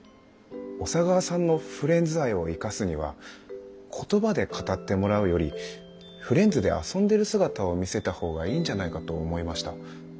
小佐川さんのフレンズ愛を生かすには言葉で語ってもらうよりフレンズで遊んでる姿を見せたほうがいいんじゃないかと思いました。